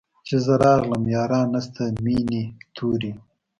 چي زه راغلم ياران نسته مېني توري